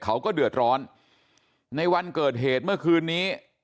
เขาก็เดือดร้อนในวันเกิดเหตุเมื่อคืนนี้